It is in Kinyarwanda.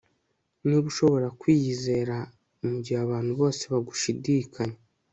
Niba ushobora kwiyizera mugihe abantu bose bagushidikanya